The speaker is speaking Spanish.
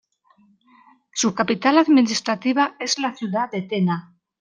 Su capital administrativa es la ciudad de Tena.